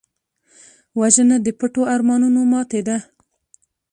وژنه د پټو ارمانونو ماتې ده